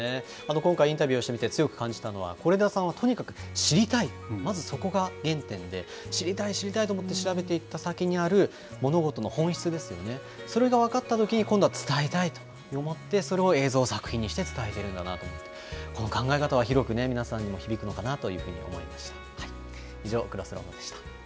今回、インタビューしてみて強く感じたのは、是枝さんはとにかく知りたい、まずそこが原点で、知りたい知りたいと思って調べていった先にある物事の本質ですよね、それが分かったときに、今度は伝えたいと思って、それを映像作品にして伝えてるんだなと思って、この考え方は広くね、皆さんにも響くのかなというふうに思いました。